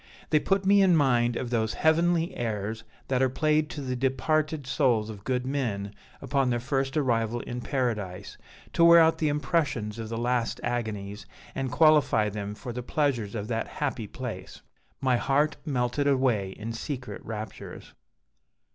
They put me in mind of those heavenly airs that are played to the departed souls of good men upon their first arrival in paradise, to wear out the impressions of the last agonies, and qualify them for the pleasures of that happy place. My heart melted away in secret raptures.